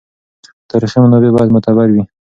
تاریخي منابع باید معتبر وي.